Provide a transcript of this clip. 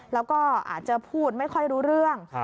แล้วก็อาจจะพูดไม่ค่อยรู้เรื่อง